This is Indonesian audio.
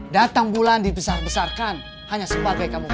datang bulan dibesar besarkan hanya sebagai kamu puasa